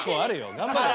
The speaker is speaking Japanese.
頑張れよ。